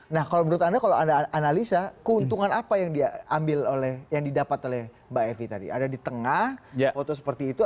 nah kalau menurut anda kalau anda analisa keuntungan apa yang diambil oleh yang didapat oleh mbak evi tadi ada di tengah foto seperti itu